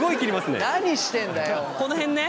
この辺ね。